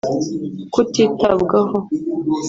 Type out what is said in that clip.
kutitabwaho